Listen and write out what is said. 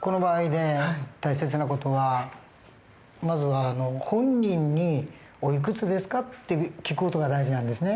この場合で大切な事はまずは本人に「おいくつですか？」って聞く事が大事なんですね。